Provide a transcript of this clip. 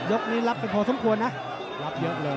ยกนี้รับเป็นพอสมควรนะ